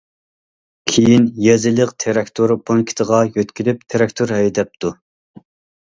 كېيىن يېزىلىق تىراكتور پونكىتىغا يۆتكىلىپ تىراكتور ھەيدەپتۇ.